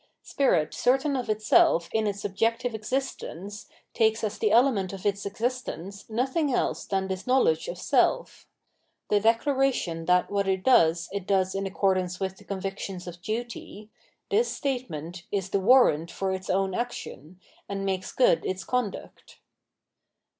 Spirit certain of itself in its objective existence takes as the element of its existence nothing else than this knowledge of self. The declaration that what it does it does in accordance with the convictions of duty — ^this statement is the warrant for its own action, and makes good its conduct.